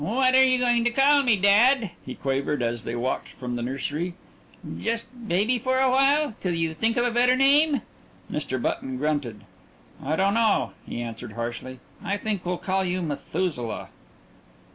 "What are you going to call me, dad?" he quavered as they walked from the nursery "just 'baby' for a while? till you think of a better name?" Mr. Button grunted. "I don't know," he answered harshly. "I think we'll call you Methuselah."